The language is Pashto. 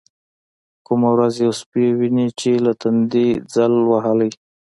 کومه ورځ يو سپى ويني چې له تندې ځل وهلى.